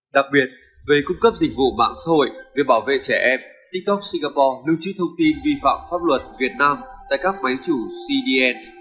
đặc biệt về cung cấp dịch vụ mạng xã hội về bảo vệ trẻ em tiktok singapore lưu trí thông tin vi phạm pháp luật việt nam tại các máy chủ cdn